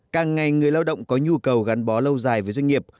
càng ngày người lao động có nhu cầu gắn bó lâu dài với doanh nghiệp